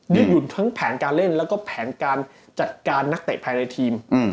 หยุดหุ่นทั้งแผนการเล่นแล้วก็แผนการจัดการนักเตะภายในทีม